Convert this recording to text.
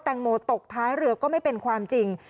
งโมตกท้ายเรือก็ไม่เป็นความจริง